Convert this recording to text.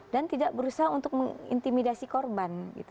dan tidak berusaha untuk mengintimidasi korban